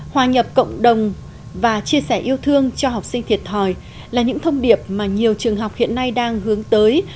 hòa nhập cộng đồng và chia sẻ yêu thương cho học sinh thiệt thòi là những thông điệp mà nhiều trường học hiện nay đang hướng tới